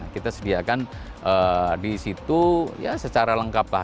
kita sediakan di situ ya secara lengkap lah